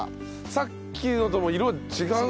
さっきのとも色が違う。